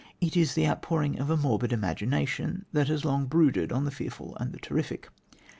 It is the outpouring of a morbid imagination that has long brooded on the fearful and the terrific.